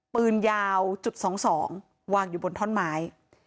ปืนยาวจุด๒๒วางอยู่บนท่อนไม้